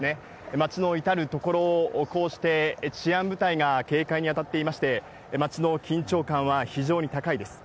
町の至る所をこうして治安部隊が警戒に当たっていまして、町の緊張感は非常に高いです。